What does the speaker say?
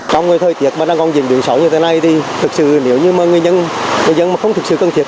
trong thời tiết mà đang còn diễn biện sổ như thế này thì thực sự nếu như người dân không thực sự cần thiết